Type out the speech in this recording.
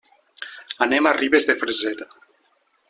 Anem a Ribes de Freser.